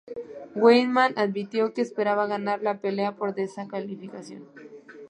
Weidman admitió que esperaba ganar la pelea por descalificación.